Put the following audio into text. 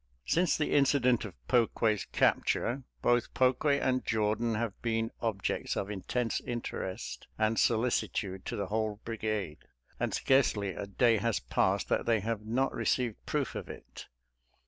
Since the incident of Pokue's capture, both Pokue and Jordan have been objects of intense interest and solicitude to the whole brigade, and scarcely a day has passed that they have not received proof of it.